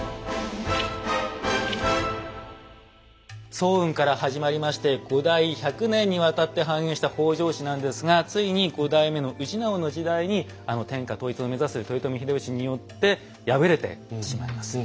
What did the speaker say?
早雲から始まりまして５代１００年にわたって繁栄した北条氏なんですがついに５代目の氏直の時代にあの天下統一を目指す豊臣秀吉によって敗れてしまいます。